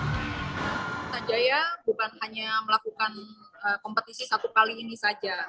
kita jaya bukan hanya melakukan kompetisi satu kali ini saja